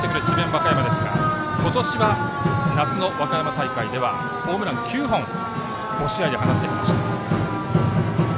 和歌山ですが今年は、夏の和歌山大会ではホームラン９本５試合で、放ってきました。